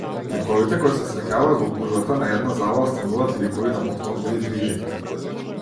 Ликовите кои се среќаваат во гужвата на една забава стануваат ликови на повторливи движења.